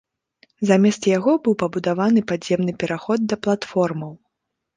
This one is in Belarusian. Замест яго быў пабудаваны падземны пераход да платформаў.